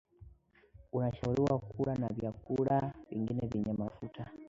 unashauriwa kula na vyakula vingine vyenye mafuta